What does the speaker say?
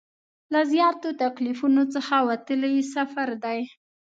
له زیاتو تکلیفونو څخه وتلی سفر دی.